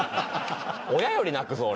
親より泣くぞ？